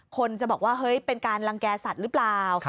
คนจะบอกว่าเฮ้ยเป็นการลังแก่สัตว์หรือเปล่า